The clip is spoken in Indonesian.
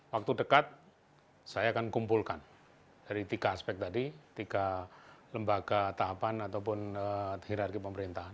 waktu dekat saya akan kumpulkan dari tiga aspek tadi tiga lembaga tahapan ataupun hirarki pemerintahan